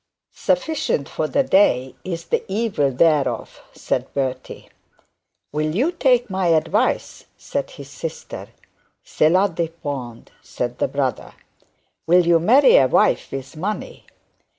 'Sufficient for the day is the evil thereof,' said Bertie. 'Will you take my advice?' said the sister. 'Cela depend,' said the brother. 'Will you marry a wife with money?'